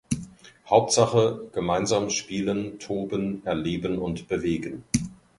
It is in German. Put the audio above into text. Hauptsache gemeinsam spielen, toben, erleben und bewegen.